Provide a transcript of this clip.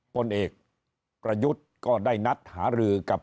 ผลเอกประยุทธ์ก็ได้นัดหารือกับ